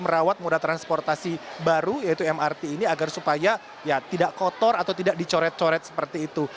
mereka juga meminta kepada warga pengguna transportasi baru yaitu mrt ini agar supaya tidak kotor atau tidak dicoret coret seperti itu